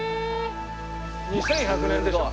２１００年でしょ？